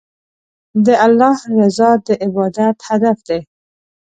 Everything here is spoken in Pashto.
د الله رضا د عبادت هدف دی.